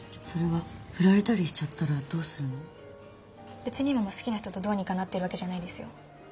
別に今も好きな人とどうにかなってるわけじゃないですよ。